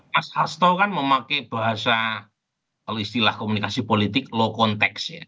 mas hasto kan memakai bahasa kalau istilah komunikasi politik low context ya